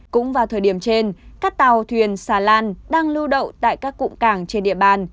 cũng vào thời điểm trên các tàu thuyền xà lan đang lưu đậu tại các cụm cảng trên địa bàn